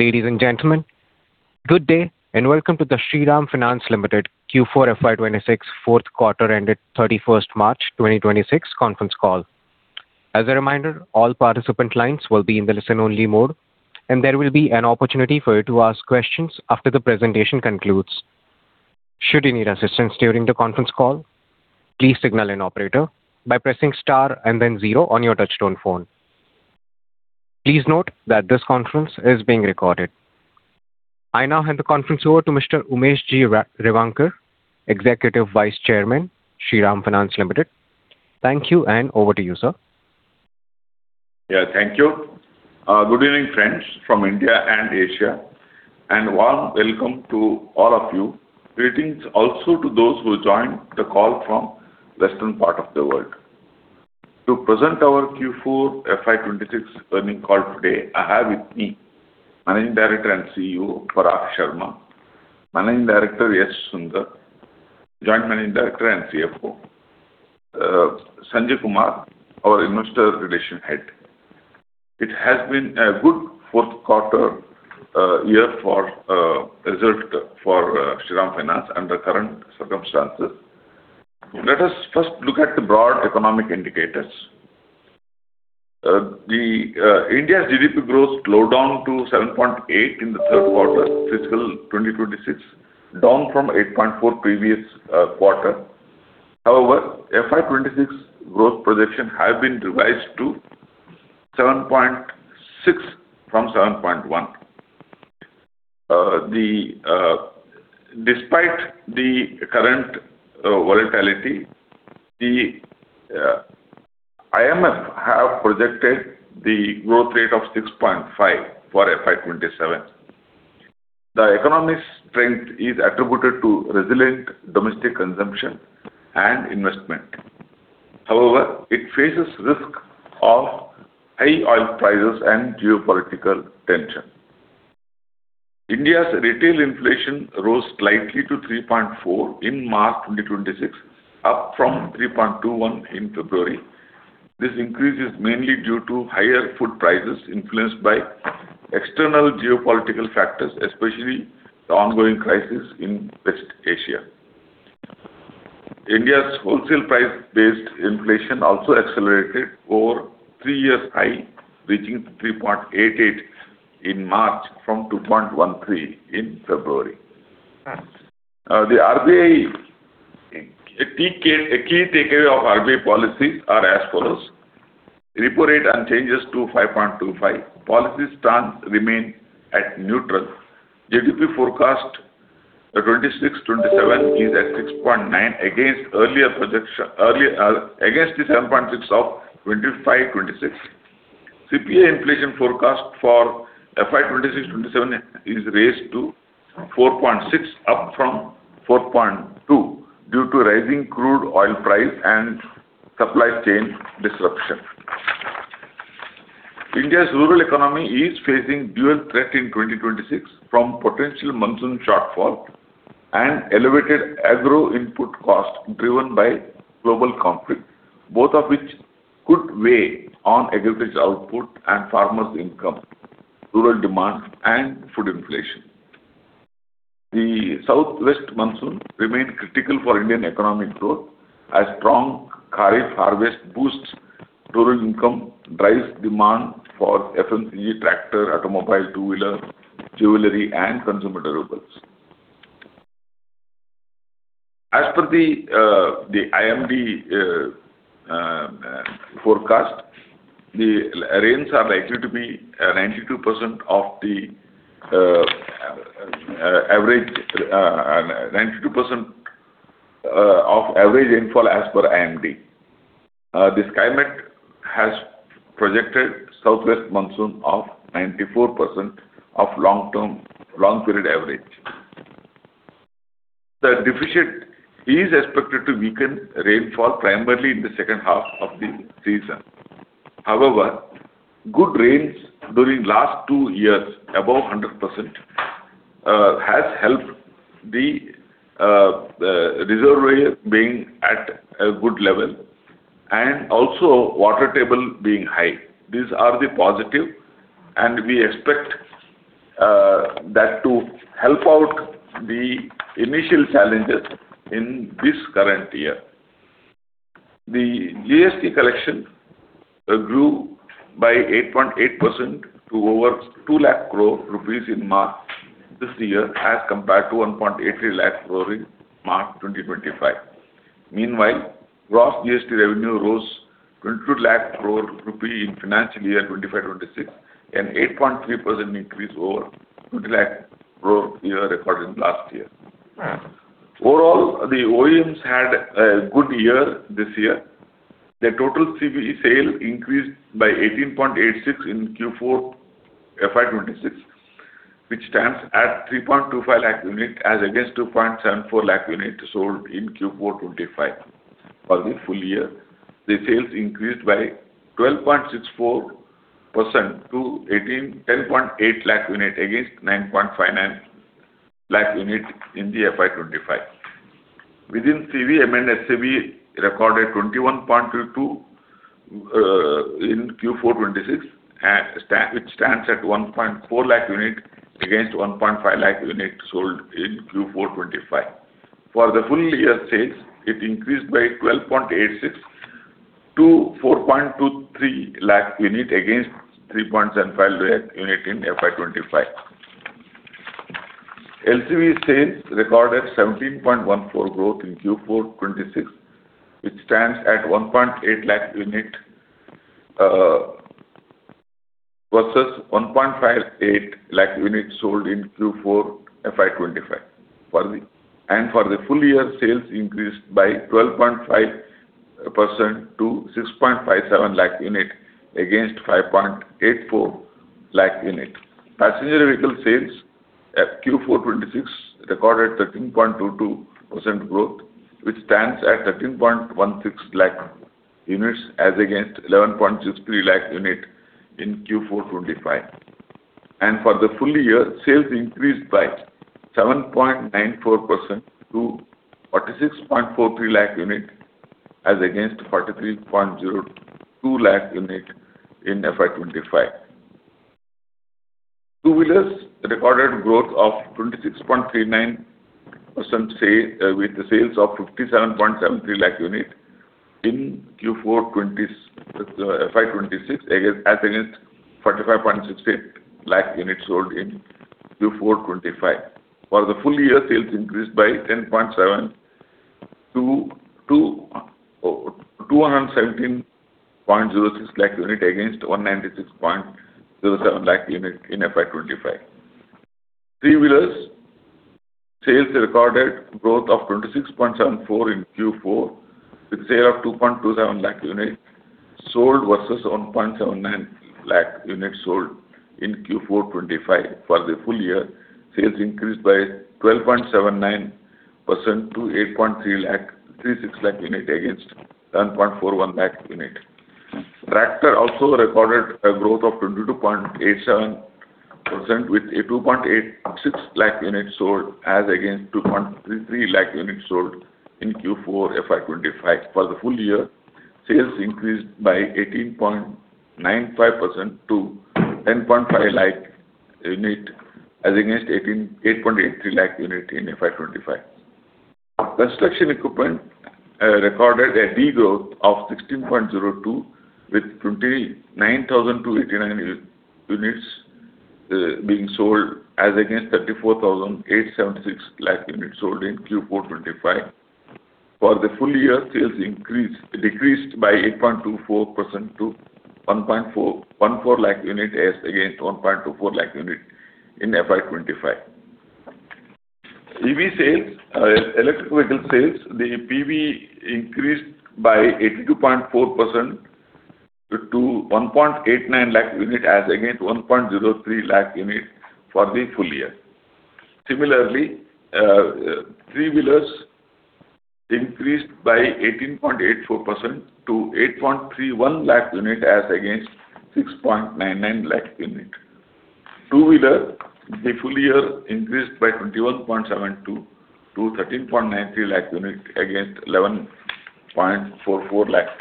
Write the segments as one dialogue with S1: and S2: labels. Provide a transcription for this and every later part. S1: Ladies and gentlemen, good day, and welcome to the Shriram Finance Limited Q4 FY 2026 fourth quarter ended 31st March 2026 conference call. As a reminder, all participant lines will be in the listen-only mode, and there will be an opportunity for you to ask questions after the presentation concludes. Should you need assistance during the conference call, please signal an operator by pressing star and then zero on your touchtone phone. Please note that this conference is being recorded. I now hand the conference over to Mr. Umesh G. Revankar, Executive Vice Chairman, Shriram Finance Limited. Thank you, and over to you, sir.
S2: Yeah. Thank you. Good evening, friends from India and Asia, and warm welcome to all of you. Greetings also to those who joined the call from western part of the world. To present our Q4 FY 2026 earnings call today, I have with me Managing Director and CEO, Parag Sharma; Managing Director, S. Sundar, Joint Managing Director and CFO; Sanjay Kumar, our Investor Relations head. It has been a good fourth quarter and year for results for Shriram Finance under current circumstances. Let us first look at the broad economic indicators. India's GDP growth slowed down to 7.8% in the third quarter fiscal 2026, down from 8.4% previous quarter. However, FY 2026 growth projection has been revised to 7.6% from 7.1%. Despite the current volatility, the IMF have projected the growth rate of 6.5% for FY 2027. The economic strength is attributed to resilient domestic consumption and investment. However, it faces risk of high oil prices and geopolitical tension. India's retail inflation rose slightly to 3.4% in March 2026, up from 3.21% in February. This increase is mainly due to higher food prices influenced by external geopolitical factors, especially the ongoing crisis in West Asia. India's wholesale price-based inflation also accelerated to a three-year high, reaching 3.88% in March, from 2.13% in February. The key takeaway of RBI policy are as follows. Repo rate unchanged at 5.25%. Policy stance remain at neutral. GDP forecast 2026-2027 is at 6.9% against the 7.6% of 2025-2026. CPI inflation forecast for FY 2026-2027 is raised to 4.6%, up from 4.2%, due to rising crude oil price and supply chain disruption. India's rural economy is facing dual threat in 2026 from potential monsoon shortfall and elevated agro input cost driven by global conflict, both of which could weigh on agriculture output and farmers' income, rural demand, and food inflation. The southwest monsoon remained critical for Indian economic growth, as strong kharif harvest boosts rural income, drives demand for FMCG, tractor, automobile, two-wheeler, jewelry, and consumer durables. As per the IMD forecast, the rains are likely to be 92% of average rainfall as per IMD. The Skymet has projected southwest monsoon of 94% of long period average. The deficit is expected to weaken rainfall primarily in the second half of the season. However, good rains during last two years, above 100%, has helped the reservoir being at a good level and also water table being high. These are the positives, and we expect that to help out the initial challenges in this current year. GST collection grew by 8.8% to over 2 lakh crore rupees in March this year as compared to 1.83 lakh crore in March 2025. Meanwhile, gross GST revenue rose to 2 lakh crore rupee in FY 2025-2026, an 8.3% increase over INR 2 lakh crore recorded last year. Overall, the OEMs had a good year this year. Their total CV sales increased by 18.86% in Q4 FY 2026, which stands at 3.25 lakh units as against 2.74 lakh units sold in Q4 2025. For the full year, the sales increased by 12.64% to 10.8 lakh units against 9.59 lakh units in FY 2025. Within CV, M&HCV recorded 21.22% in Q4 2026, which stands at 1.4 lakh units against 1.5 lakh units sold in Q4 2025. For the full year sales, it increased by 12.86% to 4.23 lakh units against 3.75 lakh units in FY 2025. LCV sales recorded 17.14% growth in Q4 FY 2026, which stands at 1.8 lakh units versus 1.58 lakh units sold in Q4 FY 2025. For the full year, sales increased by 12.5% to 6.57 lakh units against 5.84 lakh units. Passenger vehicle sales at Q4 FY 2026 recorded 13.22% growth, which stands at 13.16 lakh units as against 11.63 lakh units in Q4 FY 2025. For the full year, sales increased by 7.94% to 46.43 lakh units as against 43.02 lakh units in FY 2025. Two wheelers recorded growth of 26.39% with the sales of 57.73 lakh units in Q4 FY 2026 as against 45.68 lakh units sold in Q4 FY 2025. For the full year, sales increased by 10.7% to 217.06 lakh units against 196.07 lakh units in FY 2025. Three wheelers sales recorded growth of 26.74% in Q4, with sale of 2.27 lakh unit sold versus 1.79 lakh units sold in Q4 FY 2025. For the full year, sales increased by 12.79% to 8.36 lakh unit against 7.41 lakh unit. Tractor also recorded a growth of 22.87% with 2.86 lakh units sold as against 2.33 lakh units sold in Q4 FY 2025. For the full year, sales increased by 18.95% to 10.5 lakh unit as against 8.83 lakh unit in FY 2025. Construction equipment recorded a degrowth of 16.02% with 29,289 units being sold as against 34,876 units sold in Q4 FY 2025. For the full year, sales decreased by 8.24% to 1.14 lakh unit as against 1.24 lakh unit in FY 2025. EV sales, electric vehicle sales, the PV increased by 82.4% to 1.89 lakh unit as against 1.03 lakh unit for the full year. Similarly, three-wheelers increased by 18.84% to 8.31 lakh units as against 6.99 lakh units. Two-wheeler, the full year increased by 21.72% to 13.93 lakh units against 11.44 lakh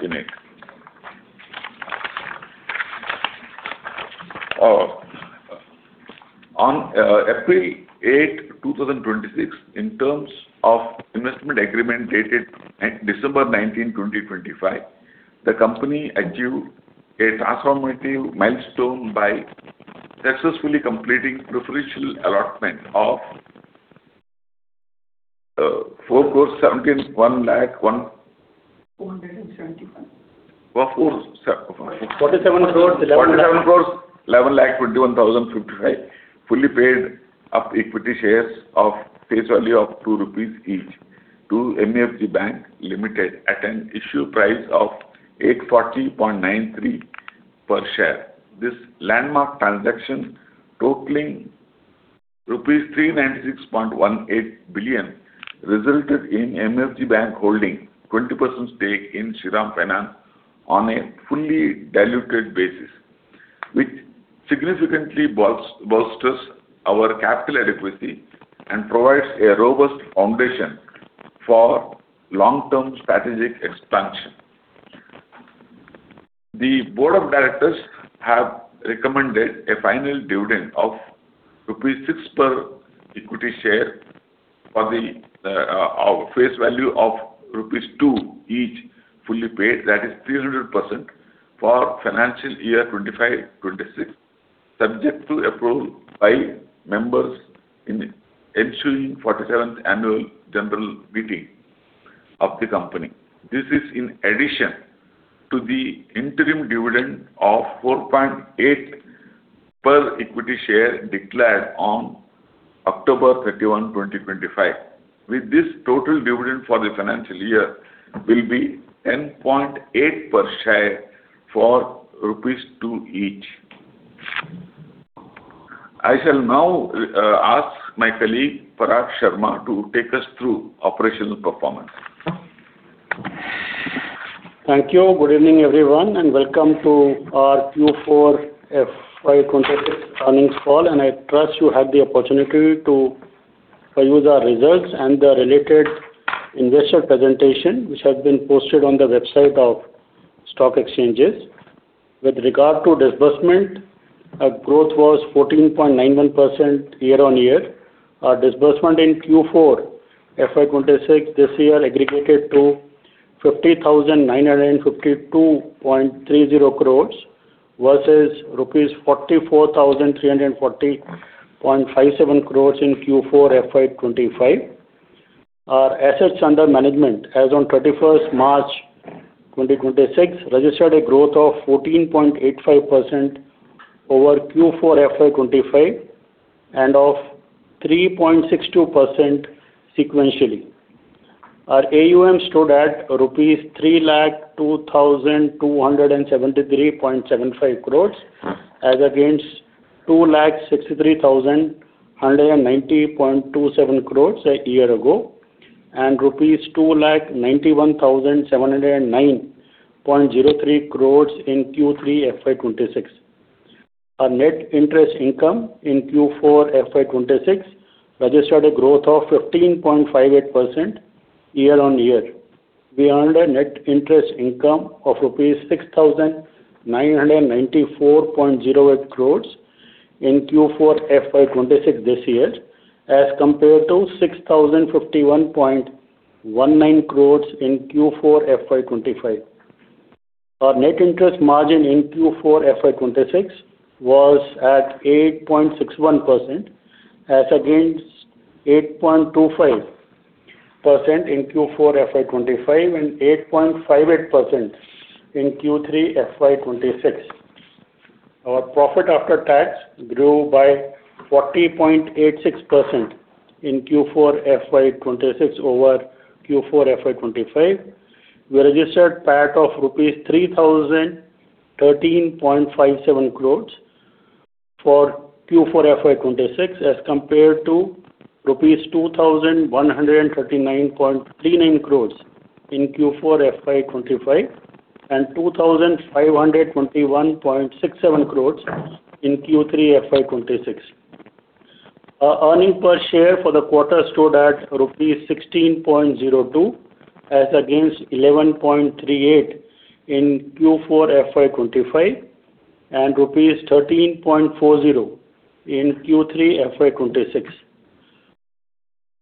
S2: units. On April 8, 2026, in terms of investment agreement dated December 19, 2025, the company achieved a transformative milestone by successfully completing preferential allotment of 4 crore 71 lakh 1-
S3: 471.
S2: Four-
S4: INR 47 crore.
S2: 471,121,055 fully paid-up equity shares of face value of 2 rupees each to MUFG Bank, Ltd. at an issue price of 840.93 rupees per share. This landmark transaction totaling rupees 396.18 billion resulted in MUFG Bank holding 20% stake in Shriram Finance on a fully diluted basis, which significantly bolsters our capital adequacy and provides a robust foundation for long-term strategic expansion. The board of directors have recommended a final dividend of rupees 6 per equity share for the face value of rupees 2 each fully paid, that is 300%, for financial year 2025, 2026, subject to approval by members in the ensuing 47th Annual General Meeting of the company. This is in addition to the interim dividend of 4.8 per equity share declared on October 31, 2025. With this, total dividend for the financial year will be 10.8 per share for INR 2 each. I shall now ask my colleague, Parag Sharma, to take us through operational performance.
S3: Thank you. Good evening, everyone, and welcome to our Q4 FY 2026 earnings call. I trust you had the opportunity to peruse our results and the related investor presentation, which has been posted on the website of stock exchanges. With regard to disbursement, our growth was 14.91% year-on-year. Our disbursement in Q4 FY 2026 this year aggregated to 50,952.30 crores versus rupees 44,340.57 crores in Q4 FY 2025. Our assets under management, as on 21st March 2026, registered a growth of 14.85% over Q4 FY 2025 and of 3.62% sequentially. Our AUM stood at rupees 302,273.75 crores as against 263,190.27 crores a year ago, and rupees 291,709.03 crores in Q3 FY 2026. Our net interest income in Q4 FY 2026 registered a growth of 15.58% year-on-year. We earned a net interest income of INR 6,994.08 crores in Q4 FY 2026 this year, as compared to INR 6,051.19 crores in Q4 FY 2025. Our net interest margin in Q4 FY 2026 was at 8.61% as against 8.25% in Q4 FY 2025 and 8.58% in Q3 FY 2026. Our profit after tax grew by 40.86% in Q4 FY 2026 over Q4 FY 2025. We registered PAT of rupees 3,013.57 crores for Q4 FY 2026 as compared to rupees 2,139.39 crores in Q4 FY 2025, and 2,521.67 crores in Q3 FY 2026. Our earnings per share for the quarter stood at rupees 16.02 as against 11.38 in Q4 FY 2025, and INR 13.40 in Q3 FY 2026.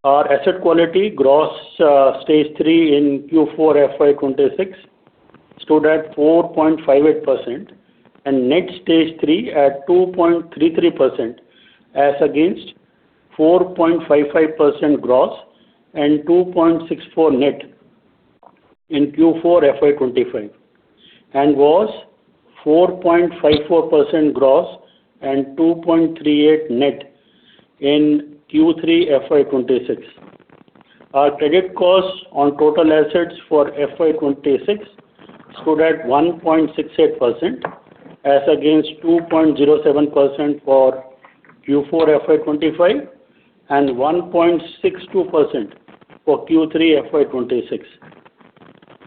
S3: Our asset quality gross stage 3 in Q4 FY 2026 stood at 4.58%, and net stage 3 at 2.33% as against 4.55% gross and 2.64 net in Q4 FY 2025, and was 4.54% gross and 2.38 net in Q3 FY 2026. Our credit cost on total assets for FY 2026 stood at 1.68% as against 2.07% for Q4 FY 2025 and 1.62% for Q3 FY 2026.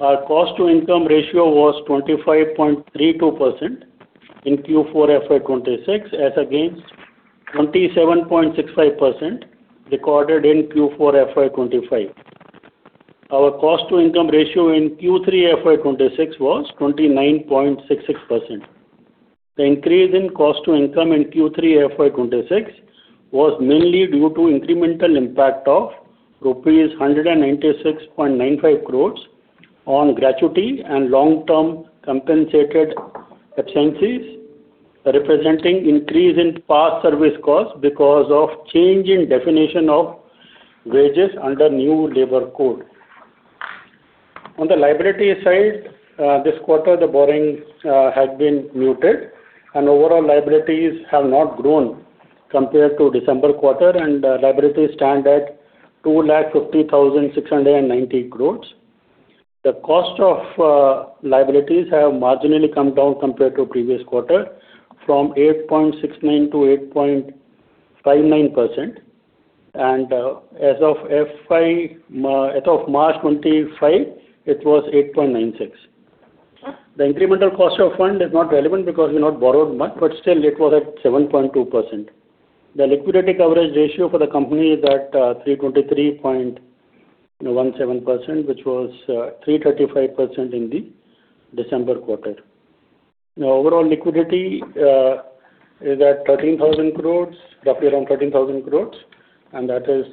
S3: Our cost to income ratio was 25.32% in Q4 FY 2026 as against 27.65% recorded in Q4 FY 2025. Our cost to income ratio in Q3 FY 2026 was 29.66%. The increase in cost to income in Q3 FY 2026 was mainly due to incremental impact of rupees 196.95 crores on gratuity and long-term compensated absences, representing increase in past service costs because of change in definition of wages under new labor code. On the liability side, this quarter the borrowing has been muted and overall liabilities have not grown compared to December quarter and liabilities stand at 250,690 crores. The cost of liabilities have marginally come down compared to previous quarter from 8.69%-8.59%. As of March 25, it was 8.96%. The incremental cost of fund is not relevant because we have not borrowed much, but still it was at 7.2%. The liquidity coverage ratio for the company is at 323.17%, which was 335% in the December quarter. Now overall liquidity is at 13,000 crores, roughly around 13,000 crores, and that is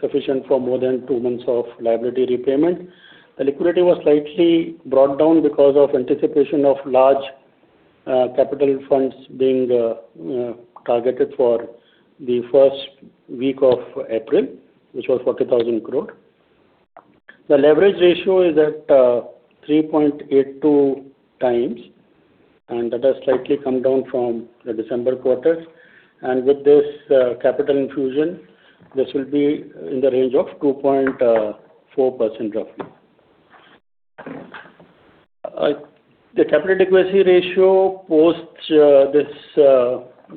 S3: sufficient for more than two months of liability repayment. The liquidity was slightly brought down because of anticipation of large capital funds being targeted for the first week of April, which was 40,000 crore. The leverage ratio is at 3.82x, and that has slightly come down from the December quarter. With this capital infusion, this will be in the range of 2.4x roughly. The capital adequacy ratio post this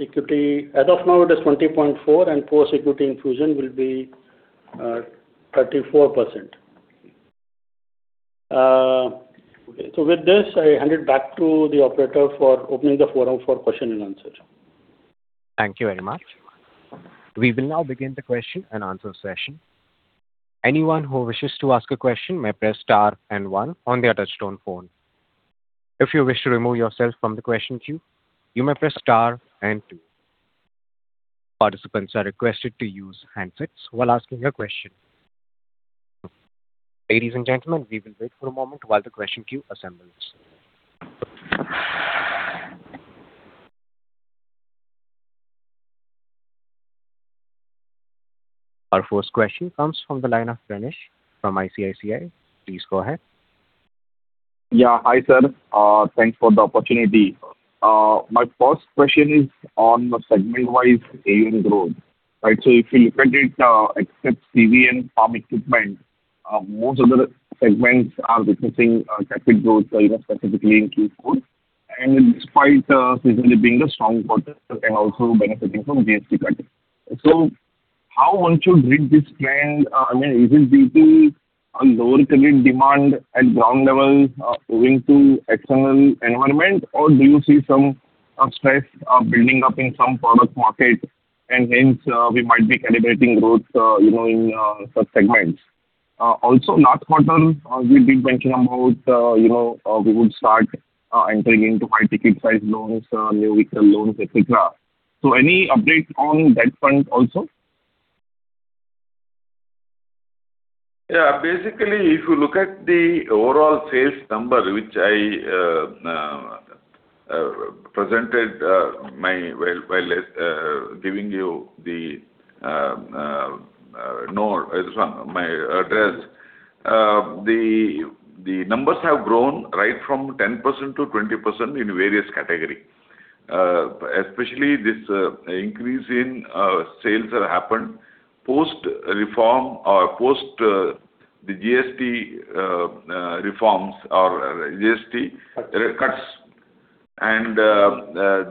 S3: equity, as of now it is 20.4%, and post-equity infusion will be 34%. With this, I hand it back to the operator for opening the forum for question and answer.
S1: Thank you very much. We will now begin the question and answer session. Anyone who wishes to ask a question may press star and one on their touchtone phone. If you wish to remove yourself from the question queue, you may press star and two. Participants are requested to use handsets while asking a question. Ladies and gentlemen, we will wait for a moment while the question queue assembles. Our first question comes from the line of Ganesh from ICICI. Please go ahead.
S5: Yeah. Hi, sir. Thanks for the opportunity. My first question is on the segment-wise AUM growth, right? If you look at it, except CV and farm equipment, most of the segments are witnessing category growth, specifically in Q4, and despite seasonally being a strong quarter and also benefiting from GST cutting. How one should read this trend, is it due to a lower credit demand at ground level owing to external environment, or do you see some stress building up in some product market and hence we might be calibrating growth in sub-segments? Also, last quarter, you had been mentioning about we would start entering into high ticket size loans, new vehicle loans, et cetera.
S2: Yeah. Basically, if you look at the overall sales number, which I presented while giving you my address, the numbers have grown right from 10%-20% in various categories. Especially, this increase in sales that happened post the GST reforms or GST cuts.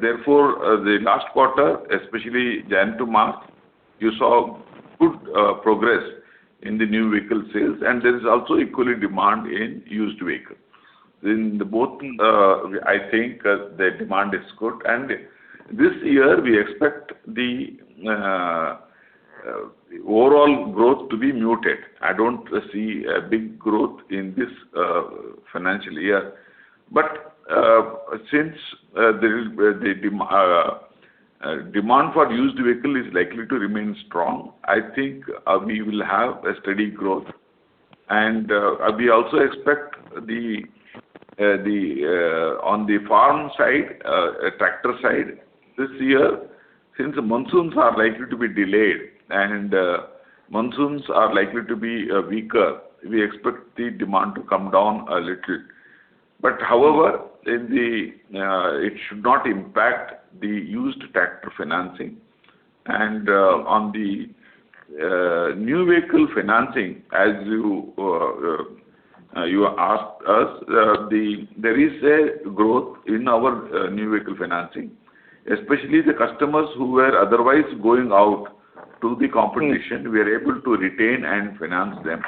S2: Therefore, the last quarter, especially January to March, you saw good progress in the new vehicle sales, and there is also equal demand in used vehicles. In both, I think, the demand is good, and this year we expect the overall growth to be muted. I don't see a big growth in this financial year. Since the demand for used vehicle is likely to remain strong, I think we will have a steady growth. We also expect on the farm side, tractor side this year, since monsoons are likely to be delayed and monsoons are likely to be weaker, we expect the demand to come down a little. However, it should not impact the used tractor financing. On the new vehicle financing, as you asked us, there is a growth in our new vehicle financing, especially the customers who were otherwise going out to the competition, we are able to retain and finance them.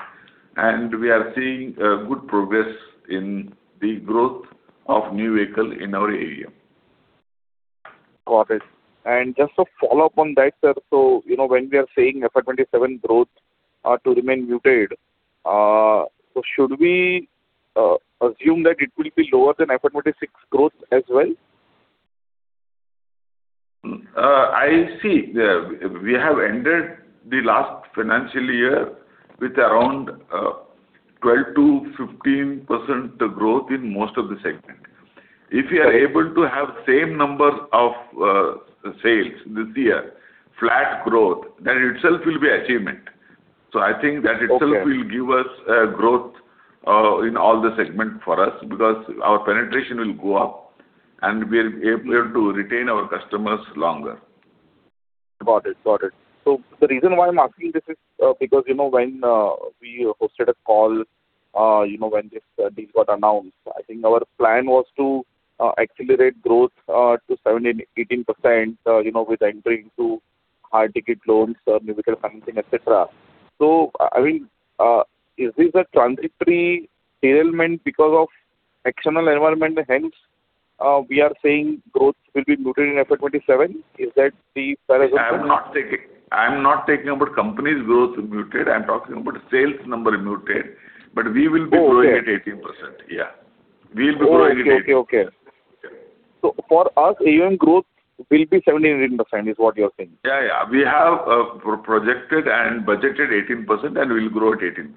S2: We are seeing good progress in the growth of new vehicle in our AUM.
S5: Got it. Just a follow-up on that, sir. When we are saying FY 2027 growth to remain muted, so should we assume that it will be lower than FY 2026 growth as well?
S2: See, we have ended the last financial year with around 12%-15% growth in most of the segment. If we are able to have same number of sales this year, flat growth, that itself will be achievement. I think that itself will give us growth in all the segment for us because our penetration will go up, and we are able to retain our customers longer.
S5: Got it. The reason why I'm asking this is because when we hosted a call when this deal got announced, I think our plan was to accelerate growth to 17%-18% with entering into high ticket loans, new vehicle financing, et cetera. Is this a transitory derailment because of external environment and hence we are saying growth will be muted in FY 2027? Is that the correct assumption?
S2: I'm not talking about the Company's growth muted. I'm talking about sales number muted, but we will be growing at 18%. Yeah. We'll be growing at 18.
S5: Okay. For us, AUM growth will be 17% is what you're saying?
S2: Yeah. We have projected and budgeted 18%, and we'll grow at 18%.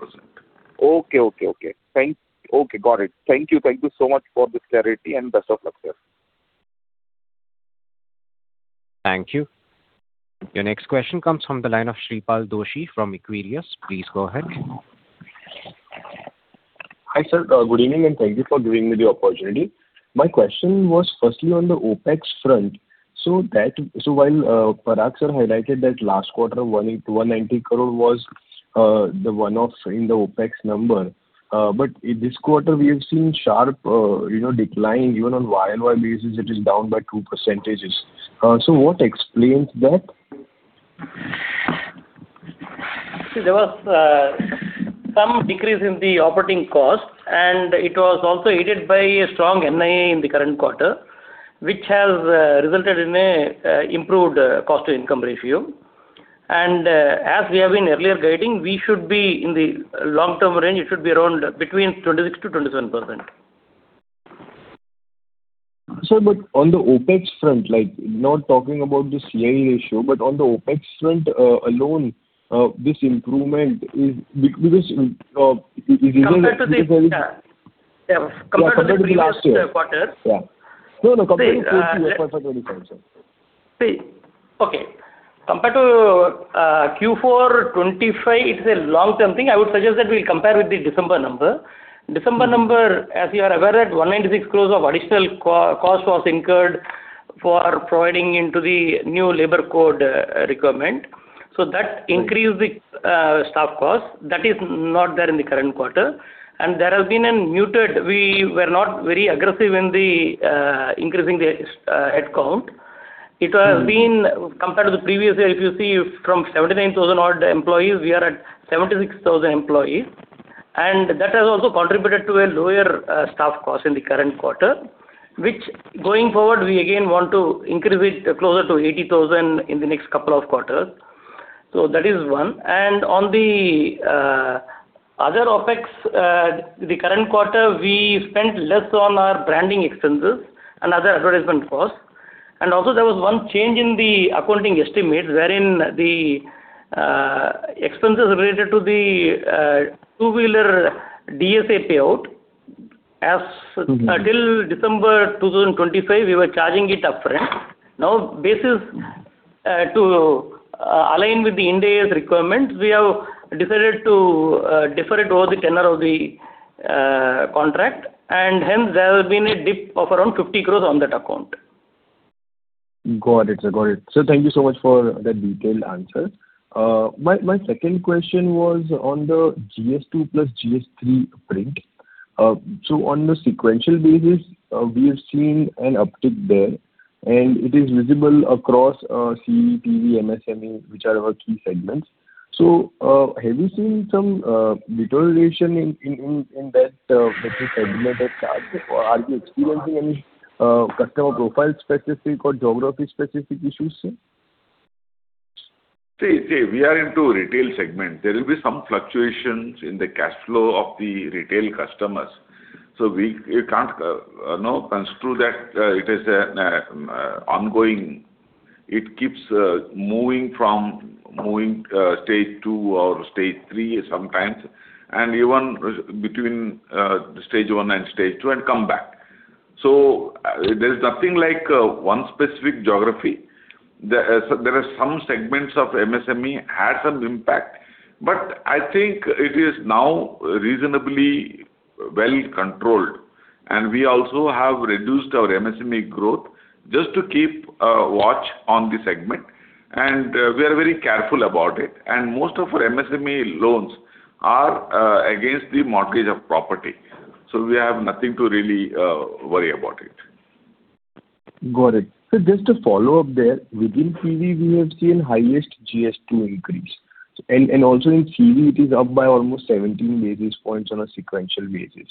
S5: Okay. Got it. Thank you. Thank you so much for this clarity, and best of luck, sir.
S1: Thank you. Your next question comes from the line of Shreepal Doshi from Equirus. Please go ahead.
S6: Hi, sir. Good evening, and thank you for giving me the opportunity. My question was firstly on the OpEx front. While Parag sir highlighted that last quarter 190 crore was the one-off in the OpEx number. This quarter, we have seen sharp decline even on YoY basis, it is down by 2%. What explains that?
S4: See, there was some decrease in the operating cost, and it was also aided by a strong NII in the current quarter, which has resulted in an improved cost-to-income ratio. As we have been earlier guiding, we should be in the long-term range, it should be around between 26%-27%.
S6: Sir, on the OpEx front, not talking about the C/I ratio, on the OpEx front alone, this improvement is because it is.
S4: Compared to the previous quarter.
S6: Yeah. No, compared to Q4 FY 2025.
S4: See, okay. Compared to Q4 2025, it's a long-term thing. I would suggest that we compare with the December number. December number, as you are aware, 196 crore of additional cost was incurred for provisioning for the new labor code requirement. That increased the staff cost. That is not there in the current quarter. There has been muted, we were not very aggressive in increasing the headcount. It has been compared to the previous year, if you see from 79,000-odd employees, we are at 76,000 employees. That has also contributed to a lower staff cost in the current quarter, which going forward, we again want to increase it closer to 80,000 in the next couple of quarters. That is one. On the other OpEx, the current quarter, we spent less on our branding expenses and other advertisement costs. There was one change in the accounting estimates wherein the expenses related to the two-wheeler DSA payout, till December 2025, we were charging it upfront. Now, this is to align with the Ind AS requirements, we have decided to defer it over the tenure of the contract, and hence there has been a dip of around 50 crore on that account.
S6: Got it, sir. Thank you so much for that detailed answer. My second question was on the GS2 plus GS3 print. On a sequential basis, we have seen an uptick there, and it is visible across CE, CV, MSME, which are our key segments. Have you seen some deterioration in that segment or charge, or are you experiencing any customer profile specific or geography specific issues?
S2: See, we are into retail segment. There will be some fluctuations in the cash flow of the retail customers. We can't construe that it is ongoing. It keeps moving from stage 2 or stage 3 sometimes, and even between stage 1 and stage 2 and come back. There's nothing like one specific geography. There are some segments of MSME had some impact, but I think it is now reasonably well controlled, and we also have reduced our MSME growth just to keep a watch on the segment, and we are very careful about it. Most of our MSME loans are against the mortgage of property. We have nothing to really worry about it.
S6: Got it. Sir, just a follow-up there. Within CV, we have seen highest GS2 increase. Also in CV, it is up by almost 17 basis points on a sequential basis.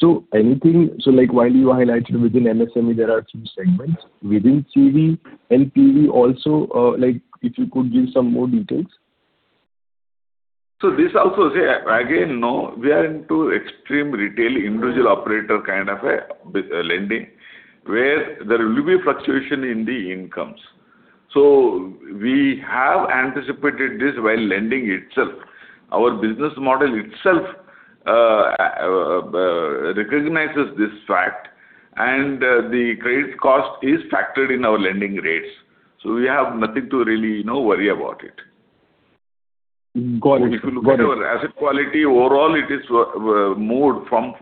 S6: While you highlighted within MSME, there are few segments within CV and PV also, if you could give some more details?
S2: This also, again, we are into extreme retail, individual operator kind of a lending, where there will be fluctuation in the incomes. We have anticipated this while lending itself. Our business model itself recognizes this fact, and the credit cost is factored in our lending rates. We have nothing to really worry about it.
S6: Got it.
S2: If you look at our asset quality, overall it is moved from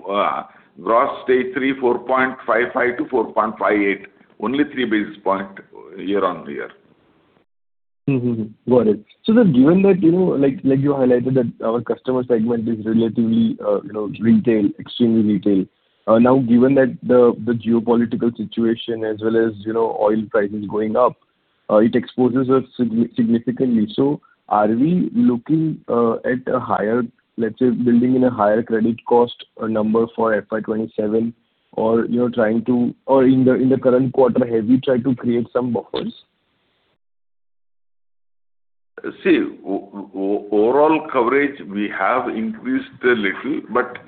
S2: gross stage 3, 4.55%-4.58%, only 3 basis points year-on-year.
S6: Got it. Given that, like you highlighted that our customer segment is relatively retail, extremely retail. Now, given that the geopolitical situation as well as oil prices going up, it exposes us significantly. Are we looking at a higher, let's say, building in a higher credit cost number for FY 2027 or in the current quarter, have you tried to create some buffers?
S2: See, overall coverage, we have increased a little, but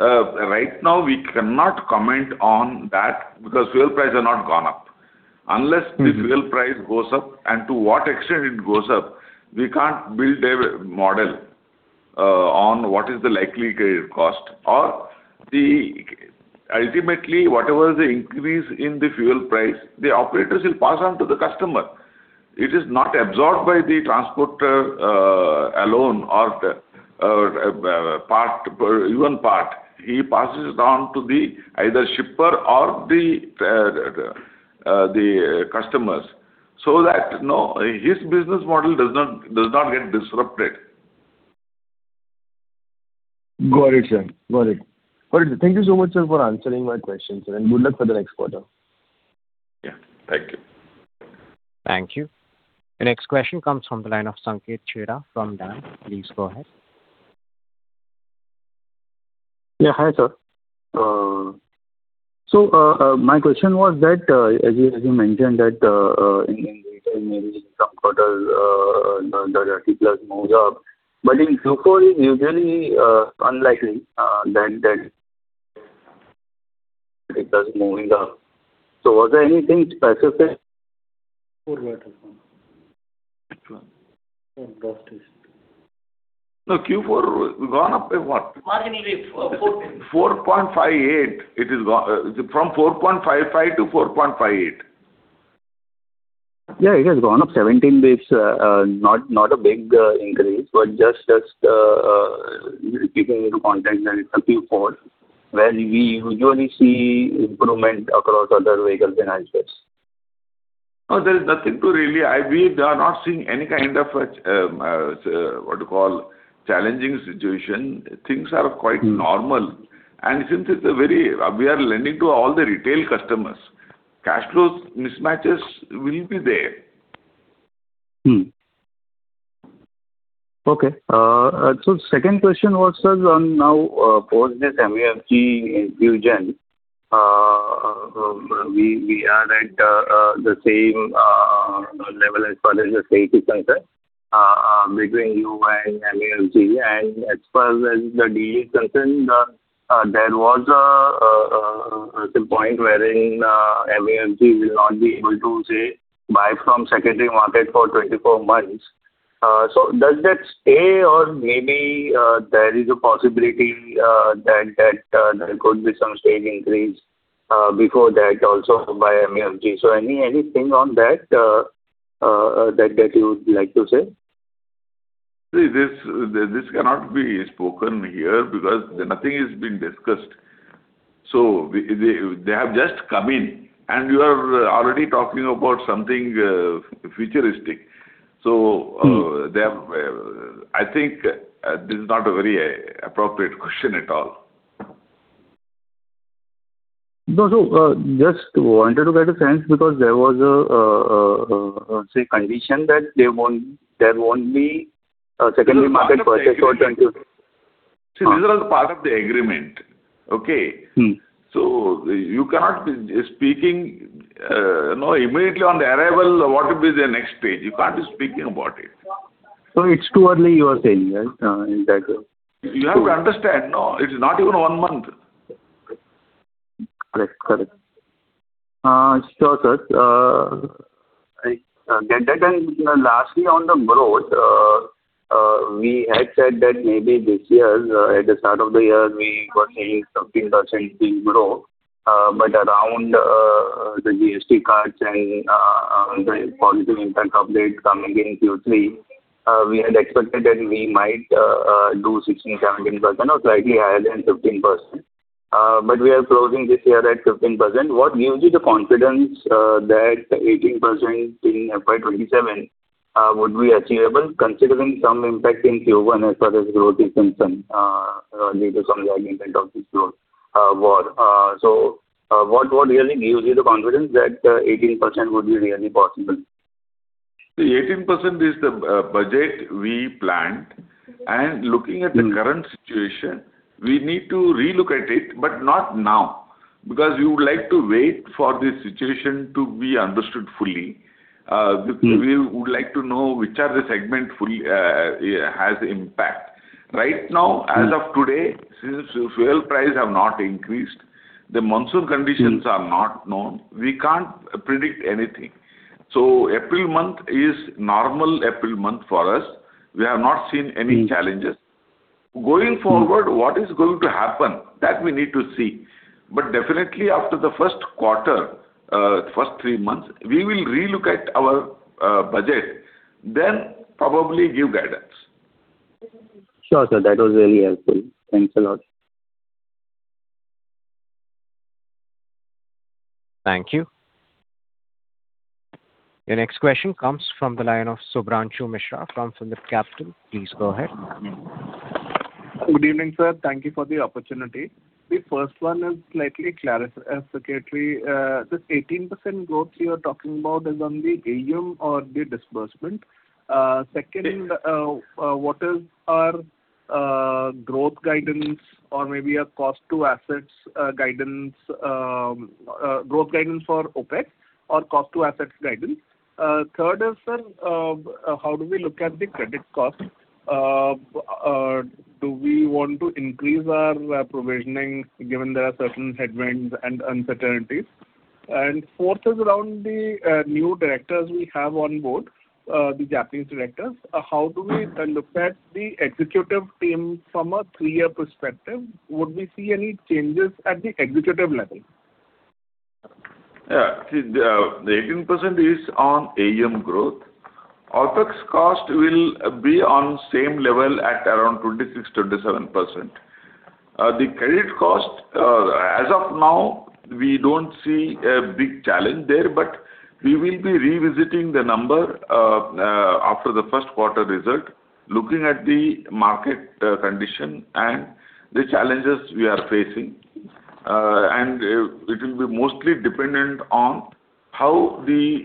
S2: right now we cannot comment on that because fuel prices have not gone up. Unless the fuel price goes up and to what extent it goes up, we can't build a model on what is the likely credit cost. Ultimately, whatever the increase in the fuel price, the operators will pass on to the customer. It is not absorbed by the transporter alone or even part. He passes it on to either the shipper or the customers so that his business model does not get disrupted.
S6: Got it, sir. Thank you so much, sir, for answering my questions, and good luck for the next quarter.
S2: Yeah, thank you.
S1: Thank you. The next question comes from the line of Sanket Chheda from DAM. Please go ahead.
S7: Yeah. Hi, sir. My question was that, as you mentioned that industry volumes maybe some quarters the 30-plus move up, but in Q4 is usually unlikely that it does moving up. Was there anything specific?
S2: No, Q4 gone up by what?
S7: Margin rate.
S2: 4.58. From 4.55 to 4.58.
S7: Yeah, it has gone up 17 basis points, not a big increase, but just keeping in context that it's a Q4, where we usually see improvement across other vehicles and assets.
S2: No, we are not seeing any kind of, what do you call, challenging situation. Things are quite normal. Since we are lending to all the retail customers, cash flow mismatches will be there.
S7: Okay. Second question was, sir, on now post this MUFG infusion, we are at the same level as far as the safety concern between you and MUFG. As far as the deal is concerned, there was a point wherein MUFG will not be able to, say, buy from secondary market for 24 months. Does that stay or maybe there is a possibility that there could be some stake increase before that also by MUFG. Anything on that that you would like to say?
S2: See, this cannot be spoken here because nothing is being discussed. They have just come in, and you are already talking about something futuristic. I think this is not a very appropriate question at all.
S7: No, just wanted to get a sense because there was a condition that there won't be a secondary market purchase for 24-
S2: See, these are all part of the agreement. Okay?
S7: Mm-hmm.
S2: You cannot be speaking immediately on the arrival, what will be the next stage? You can't be speaking about it.
S7: It's too early, you are saying, right?
S2: You have to understand, no, it's not even one month.
S7: Correct. Sure, sir. Lastly on the growth, we had said that maybe this year, at the start of the year, we were seeing 15% growth. Around the GST cuts and the positive impact of that coming in Q3, we had expected that we might do 16%, 17% or slightly higher than 15%. We are closing this year at 15%. What gives you the confidence that 18% in FY 2027 would be achievable considering some impact in Q1 as far as growth is concerned due to some lagging impact of this growth war? What really gives you the confidence that 18% would be really possible?
S2: See, 18% is the budget we planned, and looking at the current situation, we need to relook at it, but not now, because we would like to wait for the situation to be understood fully. We would like to know which are the segment has impact. Right now, as of today, since fuel price have not increased, the monsoon conditions are not known. We can't predict anything. April month is normal April month for us. We have not seen any challenges. Going forward, what is going to happen? That we need to see. Definitely after the first quarter, first three months, we will relook at our budget, then probably give guidance.
S7: Sure sir, that was very helpful. Thanks a lot.
S1: Thank you. Your next question comes from the line of Sudhanshu Mishra from Sun Life Capital. Please go ahead.
S8: Good evening, sir. Thank you for the opportunity. The first one is slightly clarity. This 18% growth you are talking about is on the AUM or the disbursement. Second, what is our growth guidance or maybe a cost to assets guidance, growth guidance for OpEx or cost to assets guidance? Third is, sir, how do we look at the credit cost? Do we want to increase our provisioning given there are certain headwinds and uncertainties? Fourth is around the new directors we have on board, the Japanese directors. How do we look at the executive team from a three-year perspective? Would we see any changes at the executive level?
S2: Yeah. See, the 18% is on AUM growth. OpEx cost will be on same level at around 26%-27%. The credit cost, as of now, we don't see a big challenge there, but we will be revisiting the number after the first quarter result, looking at the market condition and the challenges we are facing. It will be mostly dependent on how the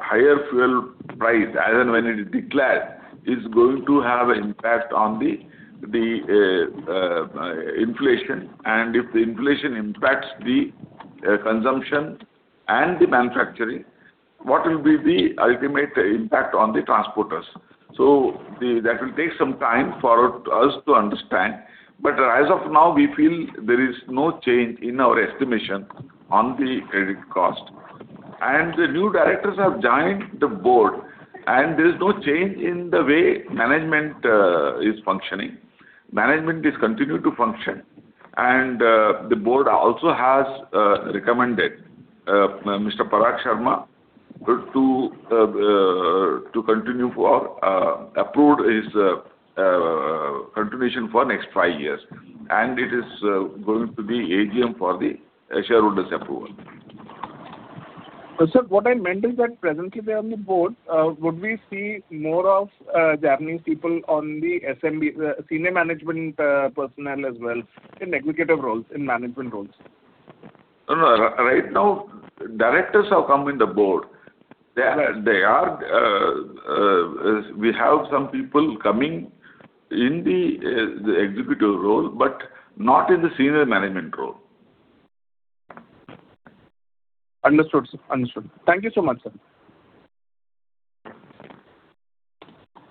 S2: higher fuel price, as and when it declares, is going to have impact on the inflation. If the inflation impacts the consumption and the manufacturing, what will be the ultimate impact on the transporters. That will take some time for us to understand. As of now, we feel there is no change in our estimation on the credit cost. The new directors have joined the board, and there is no change in the way management is functioning. Management is continued to function. The board also has recommended and approved Mr. Parag Sharma's continuation for the next five years, and it is going to be AGM for the shareholders' approval.
S8: Sir, what I meant is that presently they are on the board. Would we see more of MUFG's people on the senior management personnel as well in executive roles, in management roles?
S2: No. Right now, directors have come in the board. We have some people coming in the executive role, but not in the senior management role.
S8: Understood, sir. Thank you so much, sir.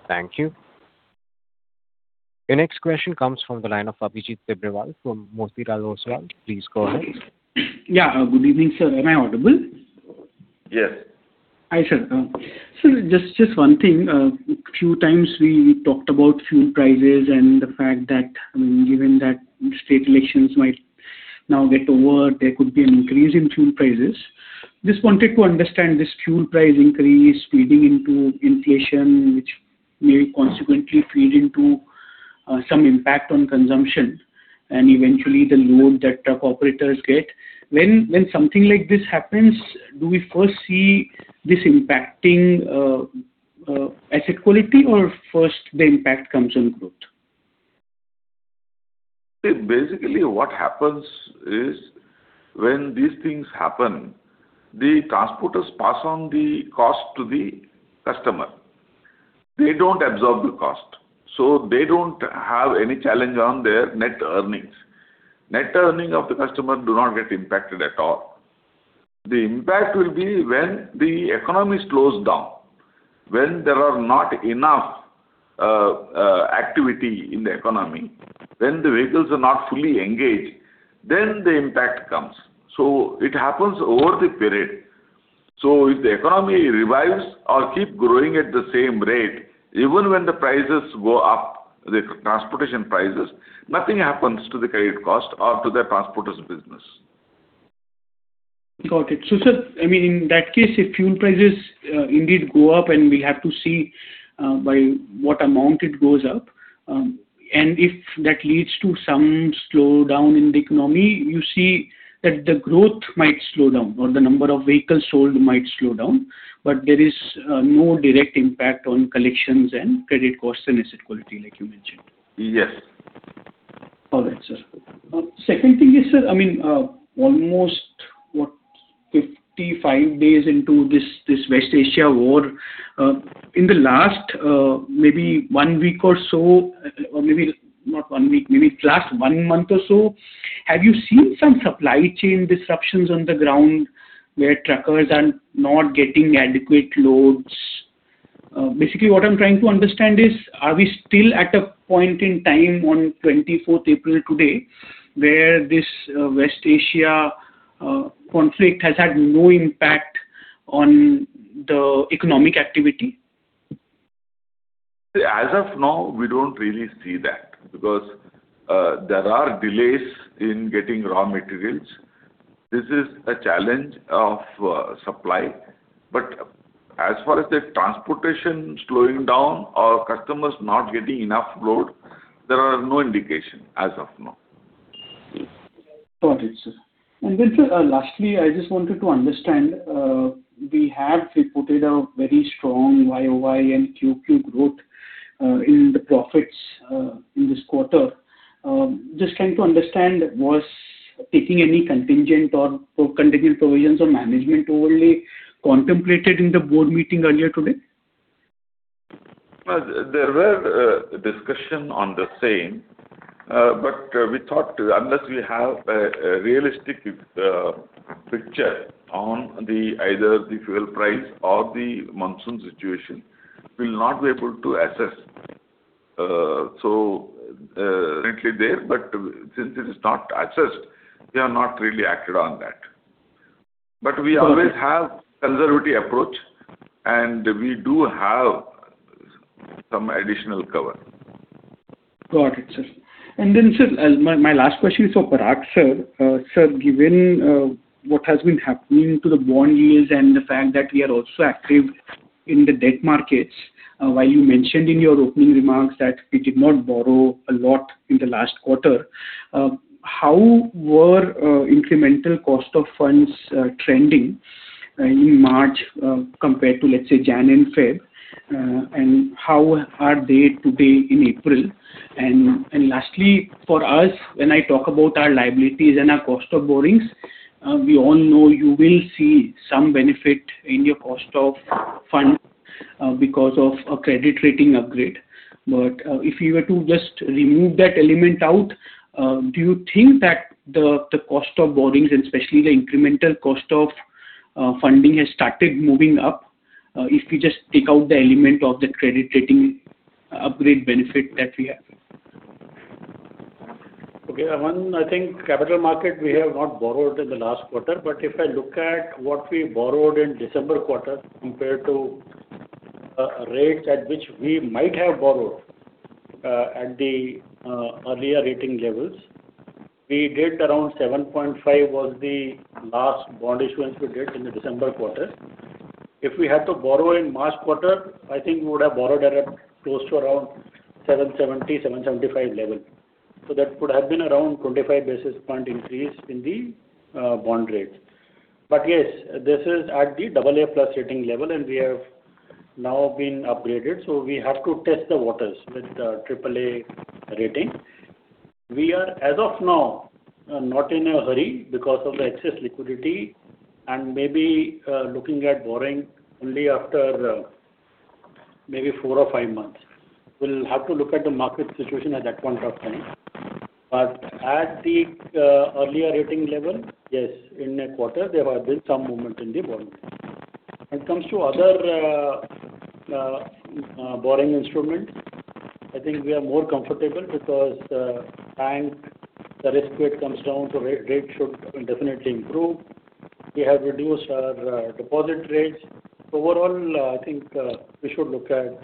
S1: Thank you. Your next question comes from the line of Abhijit Tibrewal from Motilal Oswal. Please go ahead.
S9: Yeah. Good evening, sir. Am I audible?
S2: Yes.
S9: Hi, sir. Sir, just one thing. A few times we talked about fuel prices and the fact that given that state elections might now get over, there could be an increase in fuel prices. Just wanted to understand this fuel price increase feeding into inflation, which may consequently feed into some impact on consumption, and eventually the load that truck operators get. When something like this happens, do we first see this impacting asset quality or first the impact comes on growth?
S2: See, basically, what happens is, when these things happen, the transporters pass on the cost to the customer. They don't absorb the cost, so they don't have any challenge on their net earnings. Net earning of the customer do not get impacted at all. The impact will be when the economy slows down. When there are not enough activity in the economy, when the vehicles are not fully engaged, then the impact comes. It happens over the period. If the economy revives or keep growing at the same rate, even when the prices go up, the transportation prices, nothing happens to the credit cost or to the transporter's business.
S9: Got it. Sir, in that case, if fuel prices indeed go up, and we have to see by what amount it goes up, and if that leads to some slowdown in the economy, you see that the growth might slow down or the number of vehicles sold might slow down, but there is no direct impact on collections and credit costs and asset quality like you mentioned.
S2: Yes.
S9: All right, sir. Second thing is, sir, almost 55 days into this West Asia war, in the last maybe one week or so, or maybe not one week, maybe last one month or so, have you seen some supply chain disruptions on the ground where truckers are not getting adequate loads? Basically, what I'm trying to understand is, are we still at a point in time on 24th April today, where this West Asia conflict has had no impact on the economic activity?
S2: As of now, we don't really see that, because there are delays in getting raw materials. This is a challenge of supply. As far as the transportation slowing down or customers not getting enough load, there are no indications as of now.
S9: Got it, sir. Sir, lastly, I just wanted to understand, we have reported a very strong YoY and QoQ growth in the profits in this quarter. Just trying to understand, was there any contingent provisions or management overlay contemplated in the board meeting earlier today?
S2: There were discussion on the same, but we thought unless we have a realistic picture on either the fuel price or the monsoon situation, we'll not be able to assess. Currently there, but since it is not assessed, we have not really acted on that. We always have conservative approach, and we do have some additional cover.
S9: Got it, sir. sir, my last question is for Parag Sharma, sir. Sir, given what has been happening to the bond yields and the fact that we are also active in the debt markets, while you mentioned in your opening remarks that we did not borrow a lot in the last quarter, how were incremental cost of funds trending in March compared to, let's say, January and February? And how are they today in April? And lastly, for us, when I talk about our liabilities and our cost of borrowings, we all know you will see some benefit in your cost of fund because of a credit rating upgrade. If you were to just remove that element out, do you think that the cost of borrowings, and especially the incremental cost of funding, has started moving up if we just take out the element of the credit rating upgrade benefit that we have?
S3: Okay. One, I think capital market, we have not borrowed in the last quarter. If I look at what we borrowed in December quarter compared to rates at which we might have borrowed at the earlier rating levels, we did around 7.5 was the last bond issuance we did in the December quarter. If we had to borrow in March quarter, I think we would have borrowed at close to around 7.70-7.75 level. That could have been around 25 basis points increase in the bond rates. Yes, this is at the AA+ rating level and we have now been upgraded, so we have to test the waters with the AAA rating. We are, as of now, not in a hurry because of the excess liquidity and maybe looking at borrowing only after maybe four or five months. We'll have to look at the market situation at that point of time. At the earlier rating level, yes, in a quarter, there had been some movement in the bond. When it comes to other borrowing instruments, I think we are more comfortable because the repo rate comes down, so rate should definitely improve. We have reduced our deposit rates. Overall, I think we should look at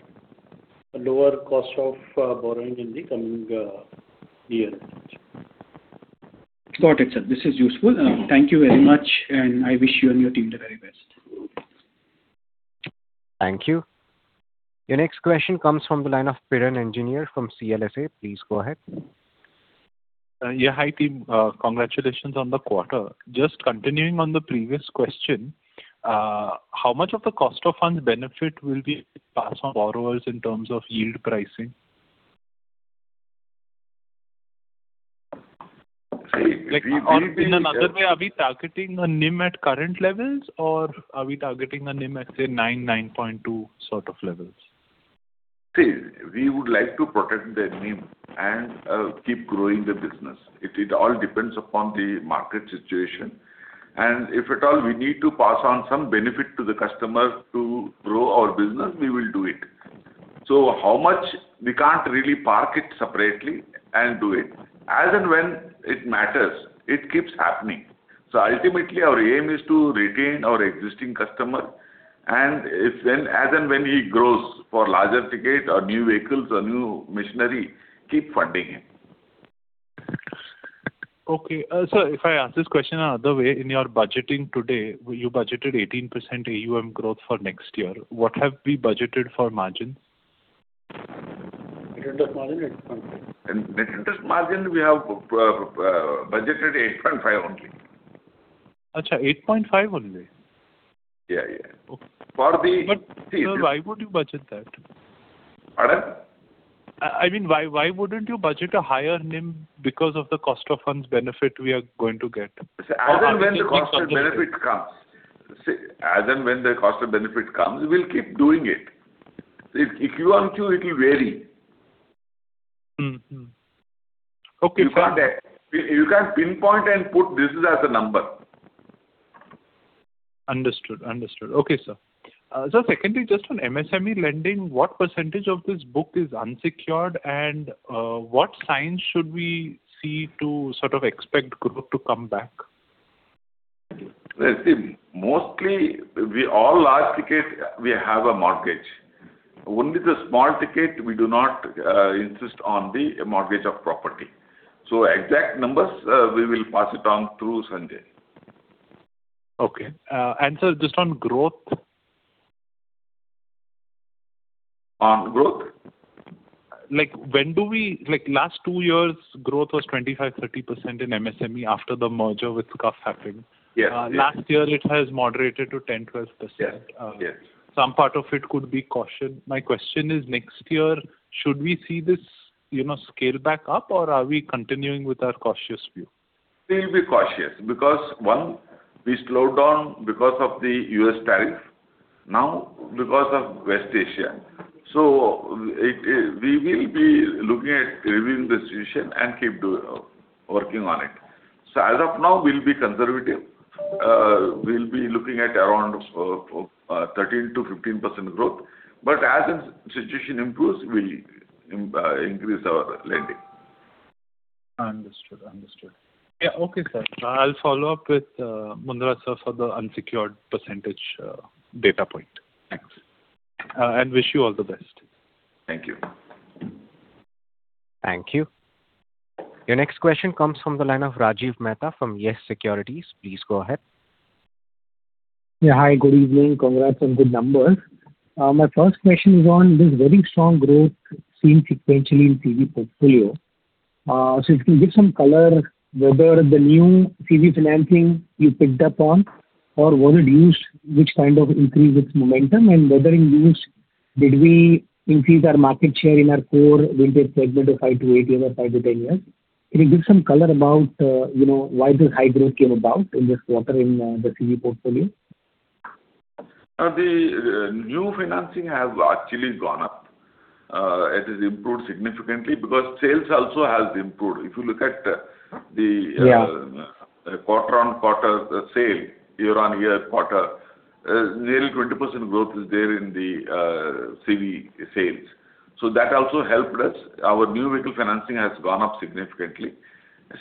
S3: a lower cost of borrowing in the coming year.
S9: Got it, sir. This is useful. Thank you very much, and I wish you and your team the very best.
S1: Thank you. Your next question comes from the line of Piran Engineer from CLSA. Please go ahead.
S10: Yeah. Hi, team. Congratulations on the quarter. Just continuing on the previous question, how much of the cost of funds benefit will be passed on borrowers in terms of yield pricing?
S2: See, we-
S10: In another way, are we targeting a NIM at current levels or are we targeting a NIM at, say, 9%-9.2% sort of levels?
S2: See, we would like to protect the NIM and keep growing the business. It all depends upon the market situation, and if at all we need to pass on some benefit to the customer to grow our business, we will do it. How much? We can't really park it separately and do it. As and when it matters, it keeps happening. Ultimately, our aim is to retain our existing customer, and as and when he grows for larger ticket or new vehicles or new machinery, keep funding him.
S10: Okay. Sir, if I ask this question another way, in your budgeting today, you budgeted 18% AUM growth for next year. What have we budgeted for margin?
S3: Net interest margin, 8.5%.
S2: Net interest margin, we have budgeted 8.5% only.
S10: 8.5 only?
S2: Yeah.
S10: Sir, why would you budget that?
S2: Pardon?
S10: I mean, why wouldn't you budget a higher NIM because of the cost of funds benefit we are going to get?
S2: As and when the cost of benefit comes, we'll keep doing it. If you want to, it will vary.
S10: Mm-hmm. Okay.
S2: You can't pinpoint and put this as a number.
S10: Understood. Okay, sir. Sir, secondly, just on MSME lending, what percentage of this book is unsecured, and what signs should we see to sort of expect growth to come back?
S2: See, mostly, we all large ticket, we have a mortgage. Only the small ticket we do not insist on the mortgage of property. Exact numbers, we will pass it on through Sanjay.
S10: Okay. Sir, just on growth?
S2: On growth?
S10: Like last two years, growth was 25%-30% in MSME after the merger with SCUF happened.
S2: Yes.
S10: Last year it has moderated to 10%-12%.
S2: Yes.
S10: Some part of it could be caution. My question is next year, should we see this scale back up or are we continuing with our cautious view?
S2: We'll be cautious because one, we slowed down because of the U.S. tariff, now because of West Asia. We will be looking at reviewing the situation and keep working on it. As of now, we'll be conservative. We'll be looking at around 13%-15% growth, but as the situation improves, we'll increase our lending.
S10: Understood. Yeah, okay, sir. I'll follow up with [Mundra] sir for the unsecured percentage data point.
S2: Thanks.
S10: Wish you all the best.
S2: Thank you.
S1: Thank you. Your next question comes from the line of Rajiv Mehta from YES Securities. Please go ahead.
S11: Yeah. Hi, good evening. Congrats on good numbers. My first question is on this very strong growth seen sequentially in CV portfolio. If you can give some color whether the new CV financing you picked up on, or was it used, which kind of increased its momentum and whether in used did we increase our market share in our core vintage segment of five to eight-year or five to ten-year? Can you give some color about why this high growth came about in this quarter in the CV portfolio?
S2: The new financing has actually gone up. It has improved significantly because sales also has improved. If you look at the-
S11: Yeah
S2: quarter-on-quarter sales, year-on-year quarter, nearly 20% growth is there in the CV sales. That also helped us. Our new vehicle financing has gone up significantly.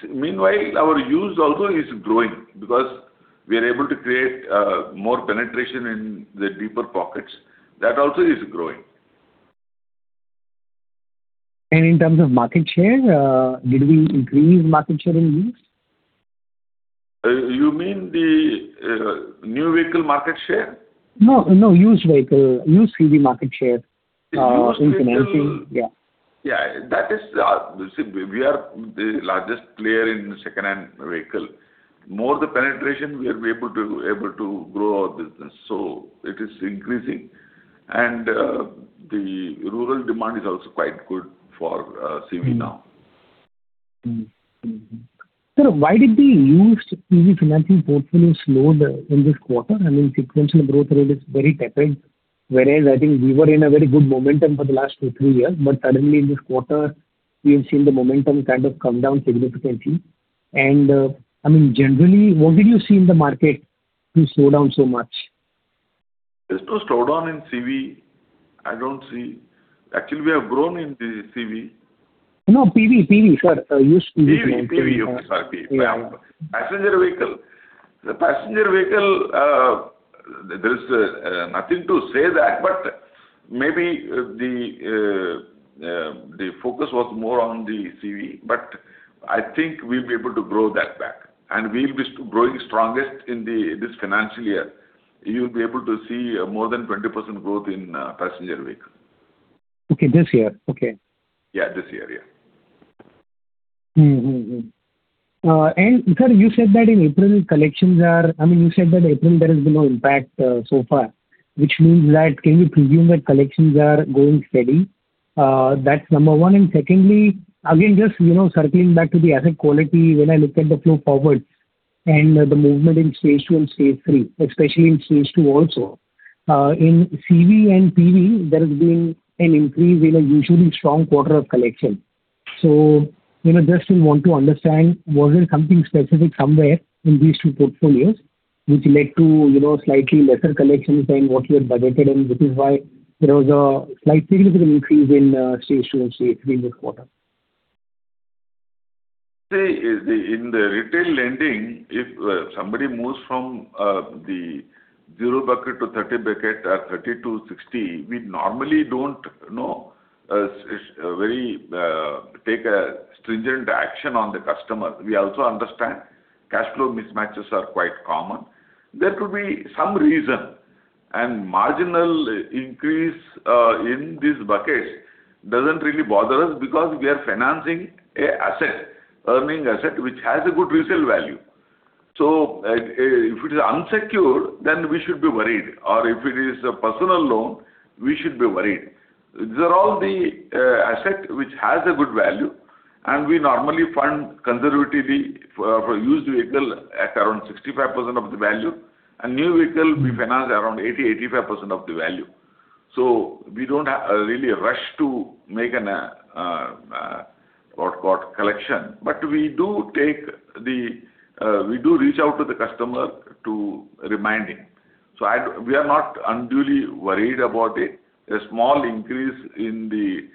S2: Meanwhile, our used also is growing because we are able to create more penetration in the deeper pockets. That also is growing.
S11: In terms of market share, did we increase market share in used?
S2: You mean the new vehicle market share?
S11: No, used vehicle, used CV market share in financing.
S2: The used vehicle.
S11: Yeah.
S2: Yeah. We are the largest player in second-hand vehicle. More the penetration, we are able to grow our business, so it is increasing. The rural demand is also quite good for CV now.
S11: Sir, why did the used CV financing portfolio slow in this quarter? I mean, sequential growth rate is very tapered, whereas I think we were in a very good momentum for the last two to three years, but suddenly in this quarter, we have seen the momentum kind of come down significantly. I mean, generally, what did you see in the market to slow down so much?
S2: There's no slowdown in CV. I don't see. Actually, we have grown in the CV.
S11: No, PV, sir. Used PV.
S2: Okay, sorry.
S11: Yeah.
S2: Passenger vehicle, there is nothing to say that, but maybe the focus was more on the CV, but I think we'll be able to grow that back and we'll be growing strongest in this financial year. You'll be able to see more than 20% growth in passenger vehicle.
S11: Okay, this year? Okay.
S2: Yeah. This year.
S11: Sir, you said that in April there has been no impact so far, which means that can we presume that collections are going steady? That's number one. Secondly, again, just circling back to the asset quality, when I look at the flow forward and the movement in stage two and stage three, especially in stage two also. In CV and PV, there has been an increase in a usually strong quarter of collection. We want to understand, was there something specific somewhere in these two portfolios which led to slightly lesser collections than what you had budgeted and which is why there was a slight significant increase in stage two and stage three in this quarter?
S2: See, in the retail lending, if somebody moves from the zero bucket to 30 bucket or 30 to 60, we normally don't take a stringent action on the customer. We also understand cash flow mismatches are quite common. There could be some reason, and marginal increase in these buckets doesn't really bother us because we are financing an asset, earning asset, which has a good resale value. If it is unsecured, then we should be worried, or if it is a personal loan, we should be worried. These are all the asset which has a good value and we normally fund conservatively for used vehicle at around 65% of the value, and new vehicle we finance around 80%, 85% of the value. We don't really rush to make a quote-unquote collection. We do reach out to the customer to remind him. We are not unduly worried about it. A small increase in the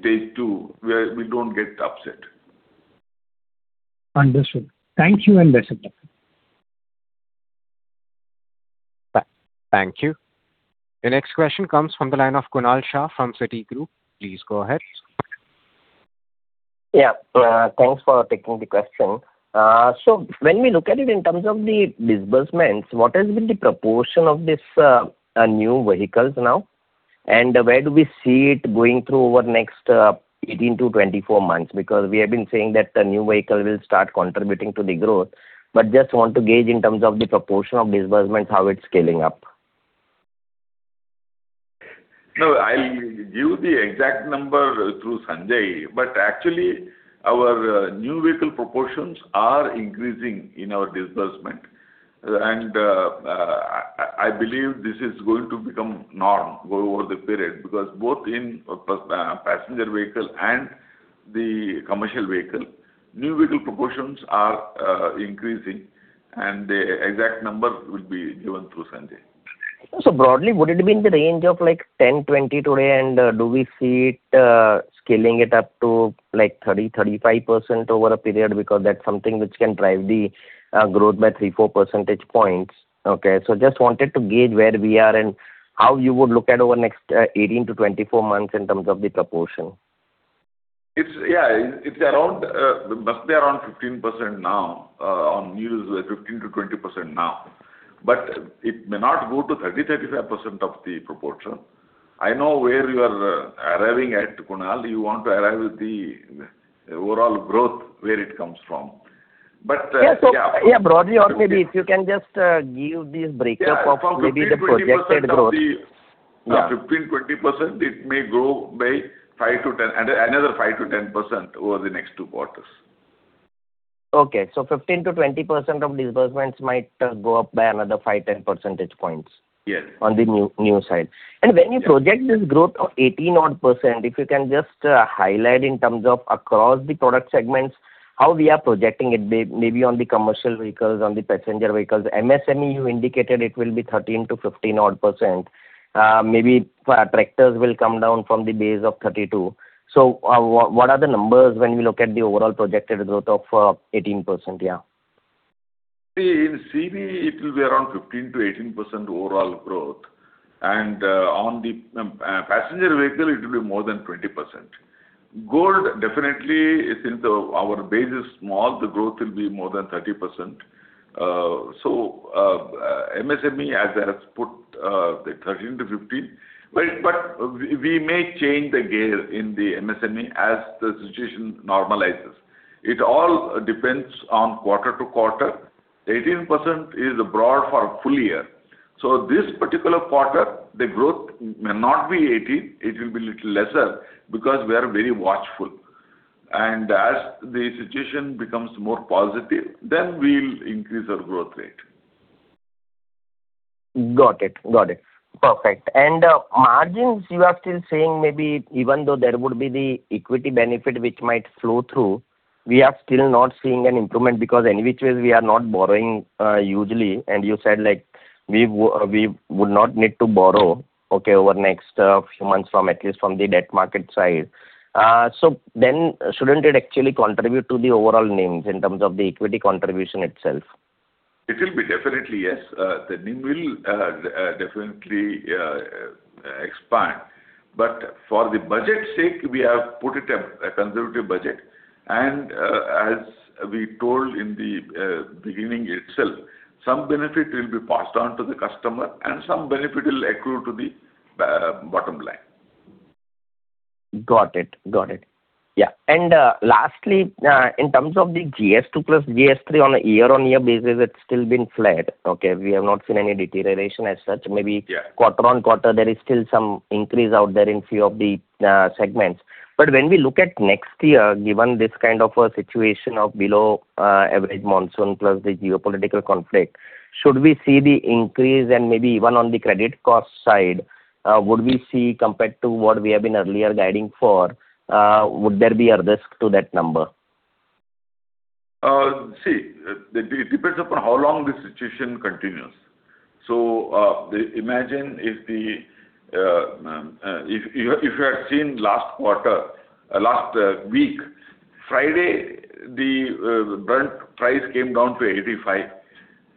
S2: stage two, we don't get upset.
S11: Understood. Thank you and best of luck, sir.
S1: Thank you. Your next question comes from the line of Kunal Shah from Citigroup. Please go ahead.
S12: Yeah. Thanks for taking the question. When we look at it in terms of the disbursements, what has been the proportion of this new vehicles now and where do we see it going through over next 18-24 months? Because we have been saying that the new vehicle will start contributing to the growth, but just want to gauge in terms of the proportion of disbursements, how it's scaling up.
S2: No, I'll give you the exact number through Sanjay, but actually, our new vehicle proportions are increasing in our disbursement. I believe this is going to become the norm over the period because both in passenger vehicle and the commercial vehicle, new vehicle proportions are increasing, and the exact number will be given through Sanjay.
S12: Broadly, would it be in the range of 10%-20% today, and do we see it scaling it up to 30%-35% over a period? Because that's something which can drive the growth by 3, 4 percentage points. Okay. Just wanted to gauge where we are and how you would look at over the next 18 to 24 months in terms of the proportion?
S2: Yeah. It must be around 15% now on new, 15%-20% now. It may not go to 30%, 35% of the proportion. I know where you are arriving at, Kunal. You want to arrive at the overall growth, where it comes from.
S12: Yeah. Broadly, or maybe if you can just give the breakdown of maybe the projected growth?
S2: Yeah. From 15%-20%, it may grow by another 5%-10% over the next two quarters.
S12: 15%-20% of disbursements might go up by another 5-10 percentage points.
S2: Yes...
S12: on the new side. When you project this growth of 18-odd%, if you can just highlight in terms of across the product segments, how we are projecting it, maybe on the commercial vehicles, on the passenger vehicles. MSME, you indicated it will be 13%-15-odd%. Maybe tractors will come down from the base of 32%. What are the numbers when we look at the overall projected growth of 18%? Yeah.
S2: See, in CV, it will be around 15%-18% overall growth, and on the passenger vehicle, it will be more than 20%. Gold, definitely since our base is small, the growth will be more than 30%. MSME, as I have put, 13%-15%. We may change the gear in the MSME as the situation normalizes. It all depends on quarter to quarter. 18% is broad for a full year. This particular quarter, the growth may not be 18%, it will be a little lesser because we are very watchful. As the situation becomes more positive, then we'll increase our growth rate.
S12: Got it. Perfect. Margins, you are still saying maybe even though there would be the equity benefit which might flow through, we are still not seeing an improvement because any which ways we are not borrowing hugely. You said we would not need to borrow over the next few months, at least from the debt market side. Shouldn't it actually contribute to the overall NIMs in terms of the equity contribution itself?
S2: It will be definitely, yes. The NIM will definitely expand. For the budget's sake, we have put a conservative budget. As we told in the beginning itself, some benefit will be passed on to the customer and some benefit will accrue to the bottom line.
S12: Got it. Yeah. Lastly, in terms of the GS2 plus GS3 on a year-over-year basis, it's still been flat, okay? We have not seen any deterioration as such. Maybe quarter-over-quarter, there is still some increase out there in a few of the segments. But when we look at next year, given this kind of a situation of below average monsoon plus the geopolitical conflict, should we see the increase and maybe even on the credit cost side, would we see compared to what we have been earlier guiding for, would there be a risk to that number?
S2: See, it depends upon how long the situation continues. Imagine if you had seen last quarter, last week, Friday, the Brent price came down to $85.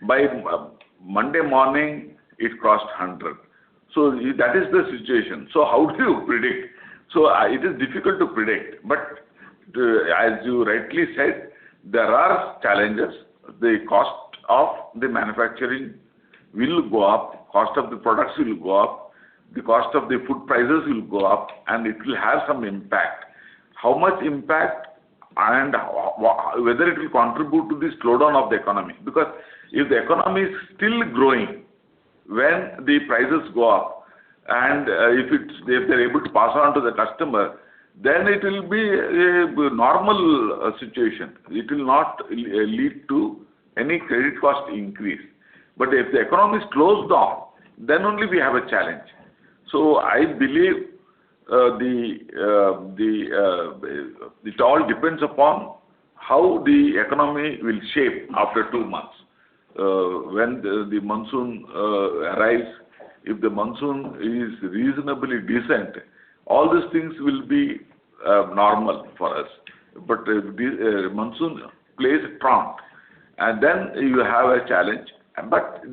S2: By Monday morning, it crossed $100. That is the situation. How do you predict? It is difficult to predict, but as you rightly said, there are challenges. The cost of the manufacturing will go up, cost of the products will go up, the cost of the food prices will go up, and it will have some impact. How much impact and whether it will contribute to the slowdown of the economy? Because if the economy is still growing when the prices go up, and if they're able to pass on to the customer, then it will be a normal situation. It will not lead to any credit cost increase. If the economy is closed off, then only we have a challenge. I believe it all depends upon how the economy will shape after two months. When the monsoon arrives, if the monsoon is reasonably decent, all these things will be normal for us. If the monsoon plays truant, then you have a challenge.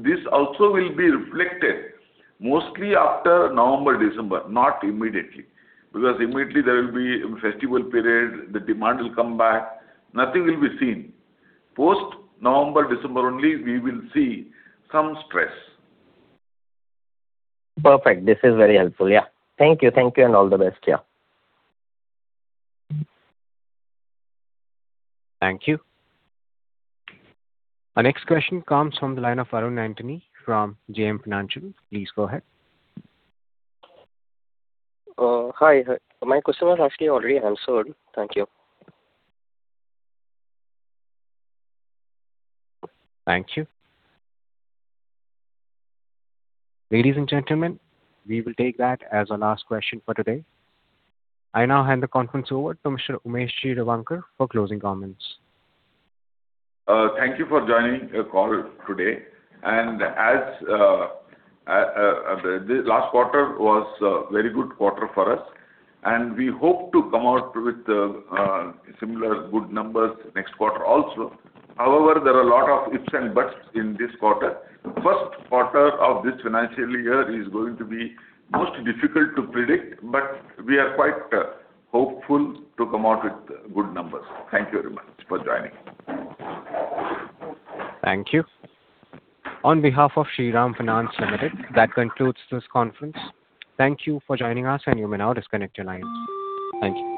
S2: This also will be reflected mostly after November, December, not immediately. Because immediately there will be a festival period, the demand will come back, nothing will be seen. Post November, December only, we will see some stress.
S12: Perfect. This is very helpful, yeah. Thank you, and all the best. Yeah.
S1: Thank you. Our next question comes from the line of Arun Antony from JM Financial. Please go ahead.
S13: Hi. My question was actually already answered. Thank you.
S1: Thank you. Ladies and gentlemen, we will take that as our last question for today. I now hand the conference over to Mr. Umesh G. Revankar for closing comments.
S2: Thank you for joining the call today. As the last quarter was a very good quarter for us, and we hope to come out with similar good numbers next quarter also. However, there are a lot of ifs and buts in this quarter. First quarter of this financial year is going to be most difficult to predict, but we are quite hopeful to come out with good numbers. Thank you very much for joining.
S1: Thank you. On behalf of Shriram Finance Limited, that concludes this conference. Thank you for joining us, and you may now disconnect your lines. Thank you.